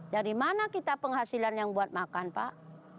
dari mana kita penghasilan yang buat makan pak